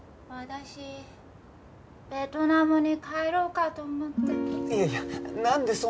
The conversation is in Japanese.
私ベトナムに帰ろうかと思って。